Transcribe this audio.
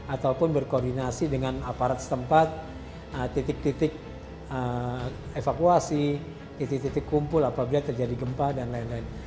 ataupun berkoordinasi dengan aparat setempat titik titik evakuasi titik titik kumpul apabila terjadi gempa dan lain lain